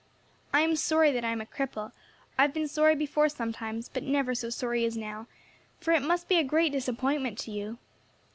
I am sorry that I am a cripple; I have been sorry before sometimes, but never so sorry as now, for it must be a great disappointment to you."